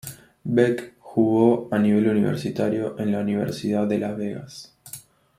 Beck jugó a nivel universitario en la Universidad de Las Vegas.